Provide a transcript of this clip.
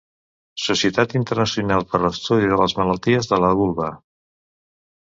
Societat Internacional per a l'Estudi de les Malalties de la Vulva.